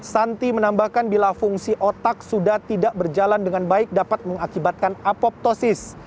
santi menambahkan bila fungsi otak sudah tidak berjalan dengan baik dapat mengakibatkan apoptosis